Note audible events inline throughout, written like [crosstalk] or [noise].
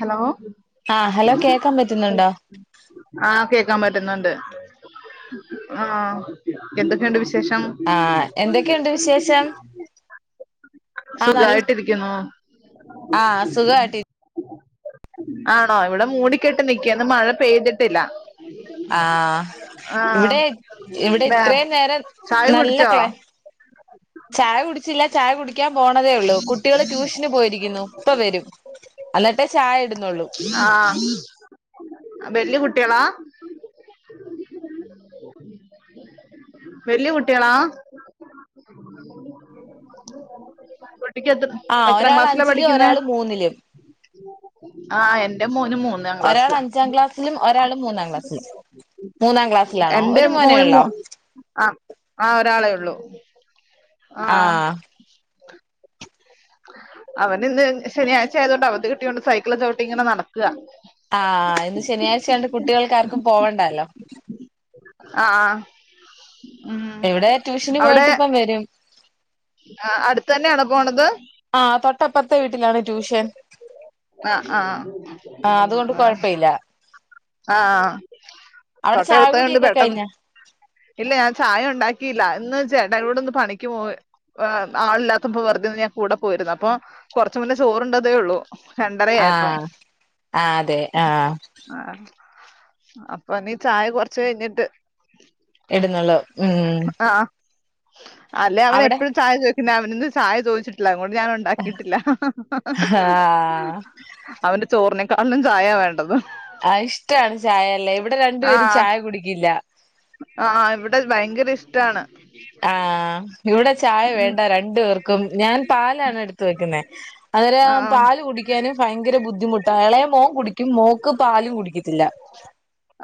Hello ആഹ് hello കേക്കാൻ പറ്റുന്നുണ്ടോ ആഹ് കേക്കാൻ പറ്റുന്നുണ്ട് ആഹ് എന്തൊക്കെണ്ട് വിശേഷം ആഹ് എന്തൊക്കെയുണ്ട് വിശേഷം ആഹ് നല്ല സുഖായിട്ടിരിക്കുന്നു ആഹ് സുഖാവാട്ടി ആണോ ഇവിടെ മൂടിക്കെട്ട് നിക്ക ഇന്ന് മഴ പെയ്തിട്ടില്ല ആഹ് ആഹ് ഇവിടെ ഇവിടെ വേ ഇത്രേം നേരം ചായ നല്ല കുടിച്ചോ ക്ലയ് ചായ കുടിച്ചില്ല ചായ കുടിക്കാൻ പോണതേ ഉള്ളൂ കുട്ടികള് ട്യൂഷന് പോയിരിക്കുന്നു ഇപ്പ വരും എന്നിട്ടേ ചായ ഇടുന്നുള്ളൂ ആഹ് വെല്യ കുട്ട്യേളാ വല്യേ കുട്ടിയേളാ കുട്ടിക്കത്ര ആഹ് ഒരാള് അഞ്ചില് ഒരാള് മൂന്നില് ആഹ് എന്റെ മോന് മൂന്ന് ഒരാള് അഞ്ചാം ക്ലാസ്സിലും ഒരാള് മൂന്നാം ക്ലാസ്സിലും മൂന്നാം ക്ലാസ്സിലാണോ ഒരു മോനേ ഒള്ളോ അഹ് ആഹ് ഒരാളേ ഉള്ളൂ ആഹ് അവനിന്ന് ശനിയാഴ്ച ആയത് കൊണ്ട് അവധി കിട്ടിയോണ്ട് സൈക്കിള് ചവിട്ടി ഇങ്ങനെ നടക്ക ആഹ് ഇന്ന് ശനിയാഴ്ചായോണ്ട് കുട്ടികൾക്കാർക്കും പോവണ്ടാലോ ആഹ് ഉം ഇവിടെ ട്യൂഷന് അവടെ പോയിട്ട് ഇപ്പം വരും ആഹ് അടുത്തന്നെയാണോ പോണത് ആഹ് തൊട്ടപ്പറത്തെ വീട്ടിലാണ് ട്യൂഷൻ ആഹ് ആഹ് ആഹ് അതുകൊണ്ട് ആഹ് കൊഴപ്പയില്ല ആഹ് അവിടെ തൊട്ട് ചായ അടുത്തായോണ്ട് കുടിയൊക്കെ പെട്ടെന്ന് കഴിഞ്ഞ ഇല്ല ഞാൻ ചായ ഉണ്ടാക്കിയില്ല ഇന്ന് ചേട്ടായൂടൊന്ന് പണിക്ക് പോയി ആളില്ലാത്ത്പ്പൊ വെറുതൊന്ന് ഞാൻ കൂടെ പോയിരുന്നു അപ്പൊ കൊറച്ചു മുന്നേ ചോറുണ്ടതേയുള്ളൂ രണ്ടര ആഹ് ആഹ് അതെ ആഹ് ആഹ് അപ്പൊ ഇനീ ചായ കൊറച്ച് കഴിഞ്ഞിട്ട് ഇടുന്നുള്ളു ഉം അല്ലേ അവൻ അവിടെ എപ്പഴും ചായ ചോയിക്കണ അവനിന്ന് ചായ ചോദിച്ചിട്ടില്ല അത്കൊണ്ട് ഞാൻ ഇണ്ടാക്കിട്ടില്ല ആഹ് അവന്റെ ചോറിനേക്കാളിലും ചായ വേണ്ടത് ആഹ് ഇഷ്ടാണ് ചായല്ലേ ഇവിടെ രണ്ടുപേരും ആഹ് ചായ കുടിക്കില്ല ആഹ് ഇവിടെ ഭയങ്കര ഇഷ്ടാണ് ആഹ് ഇവിടെ ചായ വേണ്ട രണ്ടു പേർക്കും ഞാൻ പാലാണ് എടുത്ത് വെക്കുന്നേ അന്നേരം ആഹ് പാല് കുടിക്കാനും ഭയങ്കര ബുദ്ധിമുട്ടാ എളേ മോൻ കുടിക്കും മോക്ക് പാലും കുടിക്കത്തില്ല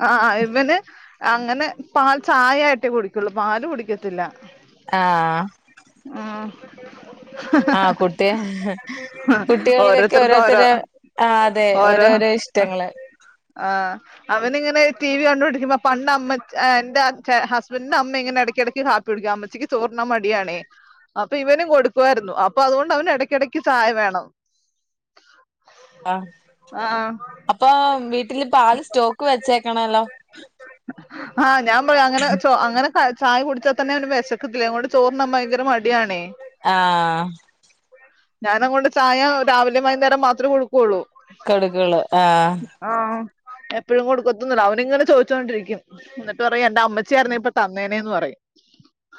ആഹ് ആഹ് ഇവന് അങ്ങനെ പാൽ ചായയായിട്ടേ കുടിക്കുള്ളൂ പാല് കുടിക്കത്തില്ല ആഹ് ഉം [unintelligible] ആഹ് കുട്ടി കുട്ടികൾക്കൊക്കെ ഓരോരുത്തർക്ക് ഓരോത്തര ഓരോ ആഹ് അതെ ഓരോ ഓരോരോ ഇഷ്ടങ്ങള് ആഹ് അവനിങ്ങനെ ടി വി കണ്ടോണ്ടിരിക്ക്മ്പ പണ്ടമ്മ എന്റെ ഹസ്ബൻഡിന്റെ അമ്മ ഇങ്ങനെ എക്കെടക്ക് കാ പ്പിട്ക്ക അമ്മച്ചിക്ക് ചോറ്ന്നാൻ മടിയാണേ അപ്പഇവനും കൊട്ക്കുവായിര്ന്നു അപ്പ അത്കൊണ്ട് അവനെടക്കെടയ്ക്ക് ചായ വേണം അഹ് ആഹ് അപ്പൊ വീട്ടില് പാല് സ്റ്റോക്ക് വെച്ചേക്കണല്ലോ ആഹ് ഞാൻ പറിം അങ്ങനെ ചോ [unintelligible] ചായ കുടിച്ചാ തന്നെ അവന് വെശക്കത്തില്ല അങ്ങോട്ട് ചോറ്ന്നാൻ ഭയങ്കര മടിയാണേ ആഹ് ഞാനങ്ങോണ്ട് ചായ രാവിലെം വൈന്നേരം മാത്രേ കൊടു കൊട്ക്കൊള്ളു ആഹ് ആഹ് എപ്പഴും കൊട്ക്കത്തൊന്നുല്ല അവനിങ്ങനെ ചോയ്ച്ചോണ്ടിരിക്കും എന്നിട്ട് പറയും എന്റെ അമ്മച്ചയാര്ന്നെ ഇപ്പ തന്നേനേന്ന് പറയും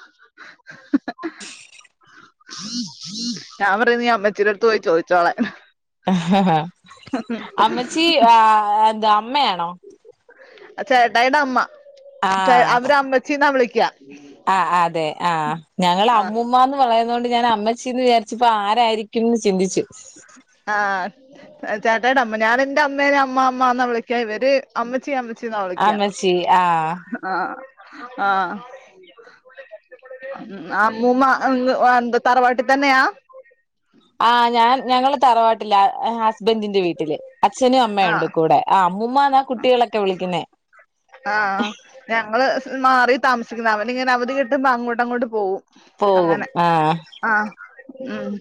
[inaudible] ഞാൻ പറയും നീ അമ്മച്ചീടട്ത്ത് പോയി ചോയ്ച്ചോളാൻ അമ്മച്ചി ആഹ് എന്താ അമ്മയാണോ? അത് ചേട്ടായിടെ അമ്മ ചെ ആഹ് അവര് അമ്മച്ചീന്നാ വിളിക്ക ആഹ് അതെ ആ ഞങ്ങള് ആഹ് അമ്മൂമാന്ന് പറയുന്നോണ്ട് ഞാന് അമ്മച്ചീന്ന് വിചാരിച്ചപ്പൊ ആരായിരിക്കുംന്ന് ചിന്തിച്ചു ആഹ് ചേട്ടായിടെ അമ്മ ഞാനെന്റെ അമ്മേനെ അമ്മ അമ്മ എന്നാ വിളിക്ക ഇവര് അമ്മച്ചി അമ്മ ച്ചീന്നാ വിളിക്ക അമ്മച്ചി ആഹ് ആഹ് ആഹ് ഉം ആ അമ്മൂമ്മ ഉം എന്ത് എന്ത് തറവാട്ടി തന്നെയാ? ആഹ് ഞാൻ ഞങ്ങള് തറവാട്ടില ഹസ്ബൻറിന്റെ വീട്ടില് അച്ഛനും അമ്മയുണ്ട് ആഹ് കൂടെ ആഹ് അമ്മൂമ്മാന്നാ കുട്ടികളൊക്കെ വിളിക്കുന്നേ ആഹ് ഞങ്ങള് മാറി താമസിക്ക്ന്നെ അവനിങ്ങനെ അവധി കിട്ടുമ്പൊ അങ്ങോട്ടങ്ങോട്ട് പോകും പോകും ആഹ് ആഹ് ഉം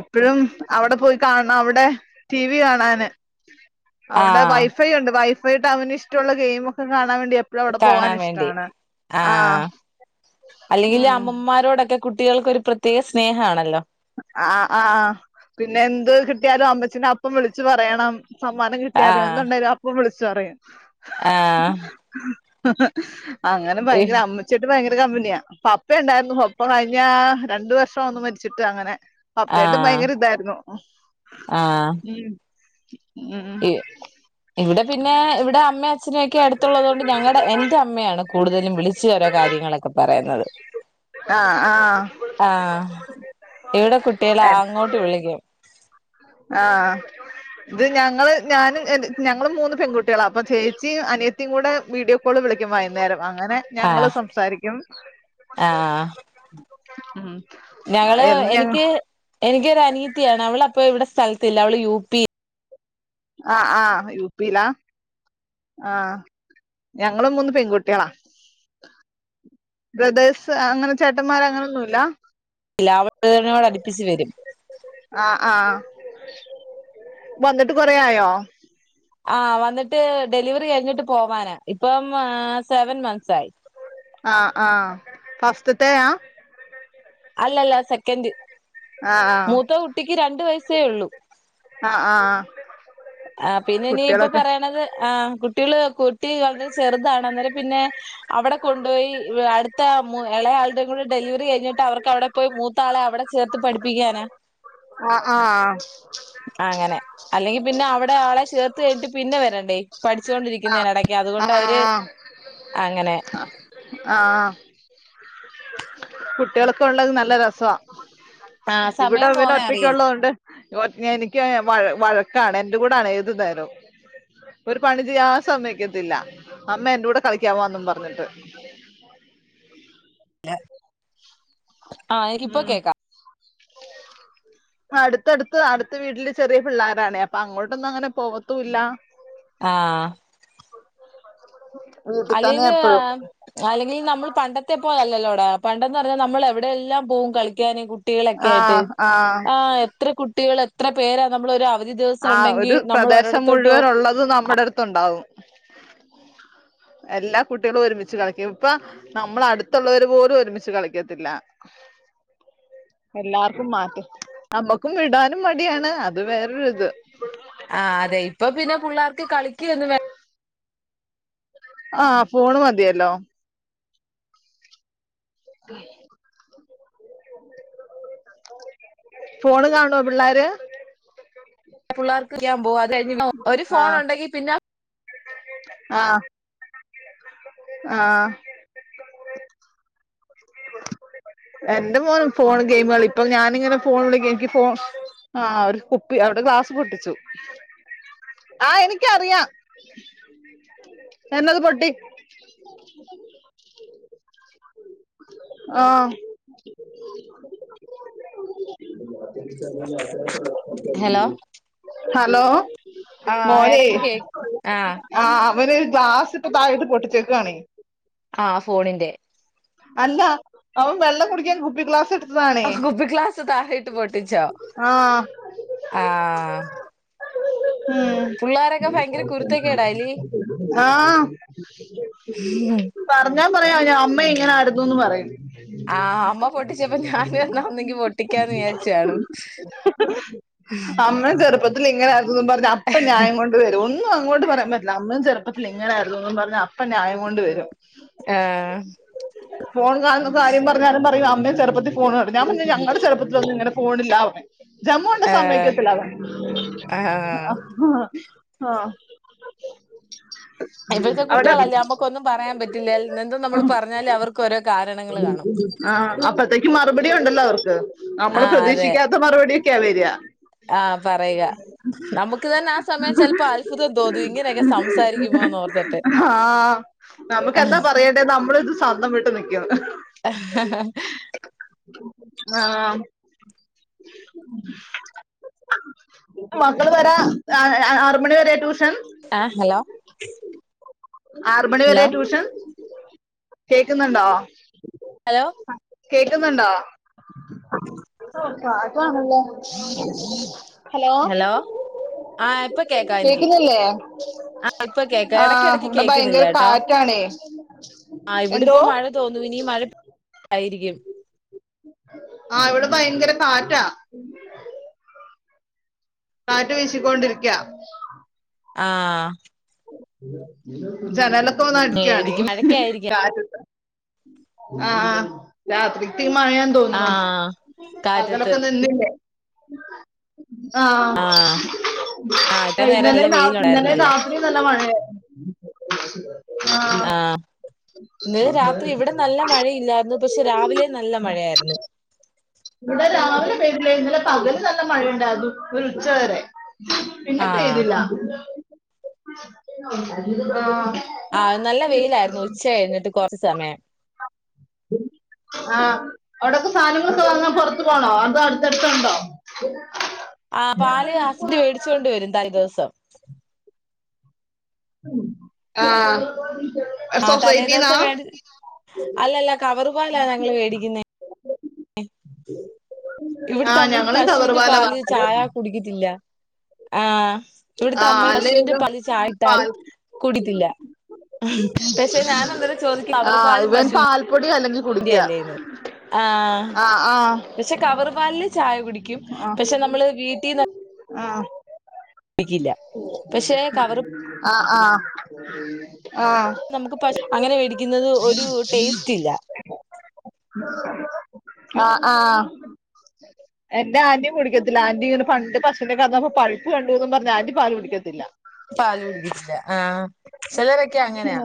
എപ്പഴും അവിടെ പോയി കാണണം അവ്ടെ ടി. വി കാണാന് അവിടെ ആഹ് വൈഫൈയുണ്ട് വൈഫൈയിട്ട് അവനിഷ്‌ട്ടവുള്ള ഗെയിം ഒക്കെ കാണാൻ വേണ്ടി എ കാണാൻ വേണ്ടി ആഹ് അല്ലെങ്കിലും ഈ ഉം അമ്മൂമാരോടൊക്കെ കുട്ടികൾക്കൊരു പ്രത്യേക സ്നേഹാണല്ലോ? ആഹ് ആഹ് പിന്നെ എന്ത് കിട്ടിയാലും അമ്മച്ചീനെ അപ്പം വിളിച്ച് പറയണം സമ്മാനം കിട്ടിയാലും ആഹ് എന്തുണ്ടേലും അപ്പം വിളിച്ച് പറയും ആഹ് അങ്ങനെ ഇഹ് ഭയങ്കര അമ്മ ച്ചിയായിട്ട് ഭയങ്കര കമ്പനിയാ പപ്പയുണ്ടായിര്ന്നു പപ്പ കഴിഞ്ഞ രണ്ട് വർഷാവുന്നു മരിച്ചിട്ട് അങ്ങനെ പപ്പയായിട്ടും ആഹ് ഭയങ്കര ഇതായിര്ന്നു ആഹ് ഉം ഉം ഇ ഇവിടെ പിന്നെ ഇവിടെ അമ്മ അച്ഛനൊക്കെ അട്ത്തുള്ളതോണ്ട് ഞങ്ങടെ എന്റെ അമ്മയാണ് കൂട്തലും വിളിച്ച് ഓരോ കാര്യങ്ങളൊക്കെ പറയുന്നത് ആഹ് ആഹ് ആഹ് ഇവിടെ കുട്ടികള് അങ്ങോട്ട് വിളിക്കും ആഹ് ഇത് ഞങ്ങള് ഞാനും ഞങ്ങള് മൂന്ന് പെൺകുട്ടികളാ അപ്പ ചേച്ചി അനിയ ത്തിം കൂടെ വീഡിയോ കോള് വിളിക്കും വൈന്നേരം അങ്ങനെ ഞങ്ങള് ആഹ് സംസാരിക്കും ആഹ് ഉം ഞങ്ങള് എന്ന് ഞങ്ങ എനിക്ക് എനിക്കൊര് അനിയത്തിയാണ് അവളിപ്പയെ ഇവടെ സ്ഥലത്തില്ല അവള് യു പി ആഹ് ആഹ് യു. പിയിലാ ആഹ് ഞങ്ങള് മൂന്ന് പെൺകുട്ടിയളാ ബ്രദേഴ്സ് അങ്ങനെ ചേട്ടന്മാര് അങ്ങനൊന്നുല്ല? [unintelligible] അടുപ്പിച്ച് വരും ആഹ് ആഹ് വന്നിട്ട് കൊറേ ആയോ? ആഹ് വന്നിട്ട് ഡെലിവറി കഴിഞ്ഞിട്ട് പോവാന ഇപ്പം സെവൻ മൻന്ത്സായി ആഹ് ആഹ് ഫസ്റ്റ്ത്തേയാ? അല്ലല്ല സെക്കൻഡ് ആഹ് മൂത്ത കുട്ടിക്ക് രണ്ട് വയസ്സേയൊള്ളു ആഹ് ആഹ് ആഹ് പിന്നെ ഇനി ഇപ്പൊ കുട്ടികളൊക്കെ പറയ്ണത് ആഹ് കുട്ടികള് കുട്ടി വളരെ ചെറുതാണ് അന്നേരം പിന്നെ അവിടെ കൊണ്ടു പോയി അടുത്ത എളയാളുടെയും കൂടി ഡെലിവറി കഴിഞ്ഞിട്ട് അവർക്കവിടെ പോയി മൂത്താളെ അവിടെ ചേർത്ത് പഠിപ്പിക്കാനാ ആഹ് ആഹ് അങ്ങനെ അല്ലെങ്കി പിന്നെ അവിടെ ആളെ ചേർത്ത് കഴിഞ്ഞിട്ട് പിന്നെ വരണ്ടേ പഠിച്ചു കൊണ്ടിരിക്കുന്നതിന്റെ എടയ്ക്ക് അതുകൊണ്ട് ആഹ് അവര് ആഹ് അങ്ങനെ ആഹ് [inaudible] കുട്ടികൾക്ക ഒള്ളത് നല്ല രസവാ ആ ഇവിടെ സമയം ഇവൻ പോന്നെ ഒറ്റയ്ക്ക് അറിയില്ല ഉള്ളതോണ്ട് എനിക്കങ്ങ് വഴ വഴക്കാണ് എന്റെ കൂടാണ് ഏത് നേരവും ഒരു പണി ചെയ്യാനും സമ്മയ്ക്കത്തില്ല അമ്മ എന്റെ കൂടെ കളിക്കാൻ വാ എന്നും പറഞ്ഞിട്ട് [unintelligible] ആ എനിക്കിപ്പോ ഉം കേക്കാം [inaudible] അടുത്തടുത്ത് അടുത്ത വീട്ടില് ചെറിയ പിള്ളാരാണേ അപ്പൊ അങ്ങോട്ടൊന്നും അങ്ങനെ പോകത്തൂല്ല ആഹ് വീട്ടി തന്നെയാ അല്ലെങ്കില് എപ്പഴും അല്ലെങ്കിൽ നമ്മൾ പണ്ടത്തെ പോലെ അല്ലല്ലോടാ പണ്ടന്ന് പറഞ്ഞാൽ നമ്മൾ എവിടെയെല്ലാം പോവും കളിക്കാനും കു ട്ടികളൊക്കെയായിട്ട് ആഹ് എത്ര കുട്ടികൾ എത്ര പേരാ നമ്മള് ഒരു ദിവസം ഉണ്ടെങ്കി നമ്മൾ ഒരിടത്തോട്ട് പോകും അത് നമ്മുടെ അടുത്തുണ്ടാവും [inaudible] എല്ലാ കുട്ടികളും ഒരുമിച്ച് കളിക്കും ഇപ്പ നമ്മള അടുത്തുള്ളവര് പോലും ഒരുമിച്ച് കളിക്കത്തില്ല [inaudible] എല്ലാർക്കും മാറ്റം നമ്മക്കും വിടാനും മടിയാണ് അത് വേറൊരു അത് ആഹ് അതെ ഇപ്പൊ പിന്നെ പുള്ളാർക്ക് കളിക്കുവൊന്നും വേ ആഹ് ഫോണ് മതിയല്ലോ [unintelligible] ഫോണ് കാണുവോ പിള്ളാര് പിള്ളേർക്ക് ചെയ്യാൻ പോകവാ അല്ല ഇങ്ങന ഒരു ഫോൺ ഉണ്ടെങ്കി പിന്ന ആഹ് ആഹ് എന്റെ മോനും ഫോണി ഗെയിമുകളി ഇപ്പൊ ഞാനിങ്ങനെ ഫോൺ വിളിക്ക എനിക്ക് ഫോൺ ആഹ് ഒരു കുപ്പി അവിടെ ഗ്ലാസ് പൊട്ടിച്ചു ആഹ് എനിക്കറിയാം എന്നത് പൊട്ടി ആഹ് ഹലോ ഹലോ ആഹ് എടക്ക് കേക്ക് ആഹ് ആഹ് അവന് ഒരു ഗ്ലാസ് ഇപ്പ താഴട്ട് പൊട്ടിച്ചേക്കുവാണേ ആഹ് ഫോണിന്റെ അല്ല അവൻ വെള്ളം കുടിക്കാൻ കുപ്പി ഗ്ലാസ് എടു കുപ്പി ഗ്ലാസ് താഴെയിട്ട് പൊട്ടിച്ചോ ആഹ് ആഹ് ഉം ഭയങ്കര കുരുത്തക്കേടാല്ലേ ആഹ് പറഞ്ഞാ പറയും ഞാ അമ്മ ഇങ്ങനെ ആയിരുന്നുന്ന് പറയും ആ അമ്മ പൊട്ടിച്ചപ്പോ ഞാനും എന്നാ ഒന്നെങ്കി പൊട്ടിക്കാന്ന് വിചാരിച്ചു കാണും [unintelligible] അമ്മേം ചെറുപ്പത്തിൽ ഇങ്ങനെയാരുന്നെന്നും പറഞ്ഞ് അപ്പ ന്യായം കൊണ്ട് വരും ഒന്നും അങ്ങോട്ട് പറയാൻ പറ്റില്ല അമ്മയും ചെറുത്തിൽ ഇങ്ങനെയായിരുന്നുന്നും പറഞ്ഞ് അപ്പ ന്യായം കൊണ്ട് വരും ആഹ് ഫോൺ കാണുന്ന കാര്യം പറഞ്ഞാലും പറയും അമ്മേം ചെറുപ്പത്തിൽ ഫോൺ കാണും ഞാൻ പറഞ്ഞു ഞങ്ങളുടെ ചെറുപ്പത്തിൽ ഇങ്ങനെ ഫോണില്ലന്ന് പറയും ജമ്മുണ്ട ആ സമ്മതിക്കില്ല അവൻ ആ ആ ആഹ് ഇപ്പോഴത്തെ അവിടെ കുട്ടികളല്ലേ നമ്മുക്കൊന്നും പറയാൻ പറ്റില്ല എന്തും നമ്മൾ പറഞ്ഞാല് അവർക്ക് ഓരോ ക ആഹ് അപ്പത്തേക്കും മറുപടി ഉണ്ടല്ലോ അവർക്ക് ആ നമ്മെ അതെ പ്രതീക്ഷിക്കാ ക്കത്ത മറുപടിയൊക്കെയാ വരിക ആ പറയുക നമുക്ക് തന്നെ ആ സമയം ചെലപ്പോ അത്ഭുതം തോന്നും ഇങ്ങനെയൊക്കെ സംസാരിക്കുമോന്ന് ഓർത്തിട്ട് ആഹ് നമുക്ക് എന്താ പറയണ്ടേ നമ്മള് ഇത് സ്ന്തം വിട്ട് നിക്കും ആഹ് മക്കൾ വരാൻ ആറ് മണി വരെ ട്യൂഷൻ ആഹ് ഹലോ ആറ് മണി വരെ ഹലോ ട്യൂഷൻ കേക്കുന്നുണ്ടോ ഹലോ കേക്കുന്നുണ്ടോ [unintelligible] ഹലോ ആ ഇപ്പൊ കേക്കാം എനിക്ക് കേക്കുന്നല്ലേ ആ, ഇപ്പൊ കേക്കാം ആഹ് ഇവിടെ ഭയങ്കര കാറ്റ് [unintelligible] ആഹ് ഇവിടെപ്പോ മഴ തോന്നു ഇനി മഴായിരിക്കും ആഹ് ഇവിടെ ഭയങ്കര കാറ്റ മം കാറ്റ് വീശിക്കൊണ്ടിരിക്ക ആഹ് ജനലൽ ഒക്കെ വന്ന് ഏ, അടിക്കുകയാണ് ഇടിക്ക് മഴയ്ക്കായിരിക്കും കാറ്റത്ത് ആഹ് രാത്രിക്ക്‌ മഴ ആ തോന്നണ് കാറ്റത്ത് അകലൊക്കെ നിന്നിലെ ആഹ് ആ ആ ഇത്ര നേരം ഇന്നലെ നല്ല നാ ഇന്നലെ നാ വെയിലുണ്ടായിരുന്നല്ലോ ഇന്നലെ നല്ല മഴയർന്നു ആഹ് ഇന്നലെ രാത്രി ഇവിടെ നല്ല മഴയില്ലായിരുന്നു പക്ഷെ രാവിലെ നല്ല മഴയായിരുന്നു. ഇവിടെ രാവിലെ പെരും വെയിൽ ഇന്നലെ പകല് നല്ല മഴയുണ്ടായിരുന്നു ഒരു ഉച്ച വരെ പിന്നെ ആഹ് പെയ്തില്ല ആഹ് ആഹ് നല്ല വെയിലായിരുന്നു ഉച്ച കഴിഞ്ഞിട്ട് കുറച് സമയം. ആഹ് അവിടയൊക്കെ സാധനംമൊക്കെ വാങ്ങാൻ പുറത്തു പോണോ അതൊ അടുത്തടുത്തണ്ടോ? ആഹ് പാല് ഹസ്ബനന്റ് മേടിച്ചു കൊണ്ട് വരും തല ദിവസം ആഹ് ആഹ് സൊസൈറ്റീന്നാ തലേദിവസം വേ അല്ലല്ല കവറ്പാല ഞങ്ങള് മേടിക്കുന്ന ഇവിടുത്തെ ആഹ് അമ്മക്ക് ഞങ്ങളും പശുവിന്റെ കവർവാല പാല് വാങ്ങല് ചായ കുടിക്കത്തില്ല. ആഹ് ഇവിടുത്തെ ആഹ് അമ്മ അല്ലേ പശുവിന്റെ ഇവൻ പാല് ചായട്ടാൽ പാൽ കുടിക്കില്ല പക്ഷെ ഞനന്നേരം ചോയക്കില്ല കവർ പലും പശു പൊടികലക്കി കുടിക്ക ആഹ് ആഹ് പക്ഷെ കവർ പാലില് ചായ കുടിക്കും ആഹ് പക്ഷെ നമ്മള് വീട്ടിന്ന് ആഹ് പക്ഷെ കവറ് ആഹ് ആഹ് ആഹ് നമുക്ക് പ അങ്ങനെ വേടിക്കുന്നത് ഒരു ടേസ്റ്റ് ഇല്ല ആഹ് ആഹ് എന്റെ ആന്റീം കുടിക്കത്തില്ല ആന്റ്റി ഇങ്ങനെ പണ്ട് പശുന്റെ കറന്നപ്പൊ പഴുപ്പ് കണ്ടുന്ന് പറഞ് ആന്റി പാല് കുടിക്കത്തില്ല പാല് കുടിക്കത്തില്ല ആഹ് ചിലരൊക്കെ അങ്ങനെയാ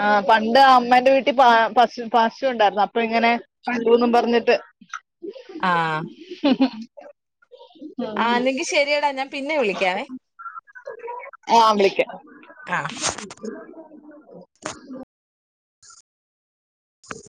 ആഹ് പണ്ട് അമ്മേന്റെ വീട്ടിൽ പ പശു പശു ഉണ്ടായിരുന്നു അപ്പൊ ഇങ്ങനെ കണ്ടൂന്നും പറഞ്ഞിട്ട് ആഹ് ഹ ആഹ് അല്ലെങ്കി ശെരിയടാ ഞാൻ പിന്നെ വിളിക്കാവേ ആഹ് വിളിക്കാം ആഹ് [inaudible]